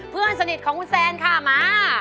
เพื่อนสนิทของคุณแซนค่ะมา